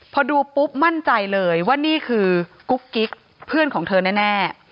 พอดูปุ๊บมั่นใจเลยว่านี่คือกุ๊กกิ๊กเพื่อนของเธอแน่